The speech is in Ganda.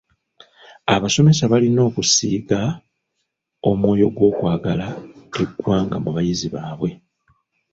Abasomesa balina okusiga omwoyo gw'okwagala eggwanga mu bayizi baabwe.